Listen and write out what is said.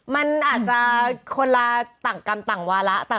มันอาจจะคนละต่างกรรมต่างวาระ